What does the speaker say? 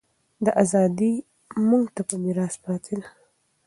دا ازادي موږ ته په میراث پاتې ده.